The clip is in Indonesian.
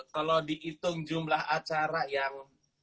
kalau dihitung jumlah acara yang